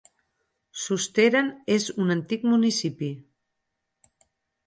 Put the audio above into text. Susteren és un antic municipi.